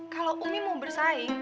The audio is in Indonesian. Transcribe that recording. kalo umi mau bersaing